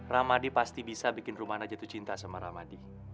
ramadi pasti bisa bikin rumana jatuh cinta sama ramadi